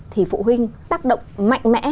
thì phụ huynh tác động mạnh mẽ